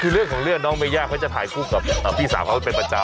คือเรื่องของเรื่องน้องเมย่าเขาจะถ่ายคู่กับพี่สาวเขาเป็นประจำ